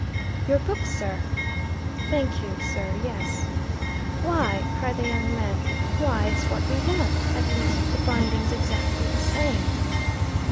"Your book, sir?" "Thank you, sir yes." "Why!" cried the young man "why, it's 'What We Want'! At least the binding's exactly the same."